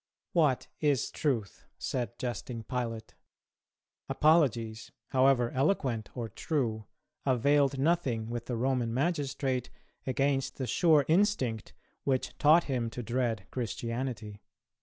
"'What is Truth?' said jesting Pilate." Apologies, however eloquent or true, availed nothing with the Roman magistrate against the sure instinct which taught him to dread Christianity.